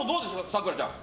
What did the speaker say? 咲楽ちゃん。